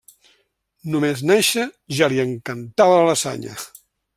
Només nàixer ja li encantava la lasanya.